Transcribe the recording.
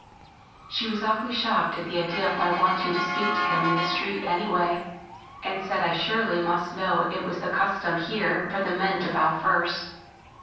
She was awfully shocked at the idea of my wanting to speak to him in the street anyway, and said I surely must know it was the custom here for the men to bow first.